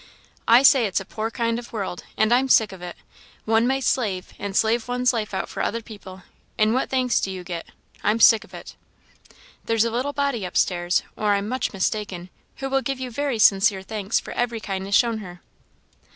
"I say it's a poor kind of world, and I'm sick of it! One may slave, and slave one's life out for other people, and what thanks do you get? I'm sick of it." "There's a little body up stairs, or I'm much mistaken, who will give you very sincere thanks for every kindness shown her."